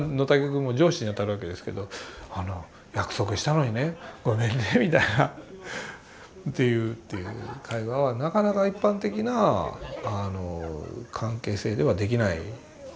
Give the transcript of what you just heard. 君も上司に当たるわけですけど「約束したのにねごめんね」みたいなという会話はなかなか一般的な関係性ではできない。